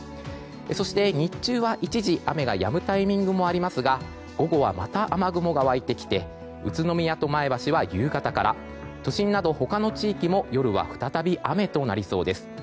そして、日中は一時雨がやむタイミングもありますが午後はまた雨雲が湧いてきて宇都宮と前橋は夕方から都心など他の地域も夜は再び雨となりそうです。